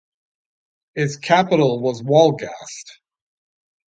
Its capital was Wolgast.